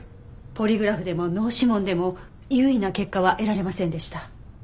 ポリグラフでも脳指紋でも有意な結果は得られませんでした。